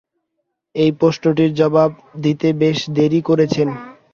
এই প্রশ্নটির জবাব দিতে বেশ দেরি করেছেন।